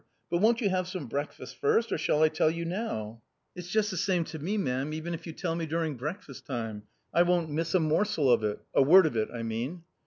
But won't you have some breakfast first, or shall I tell you now ?"" It's just the same to me, ma'am, even if you tell me during breakfast time; I won't miss a morsel of it — a word of it, I mean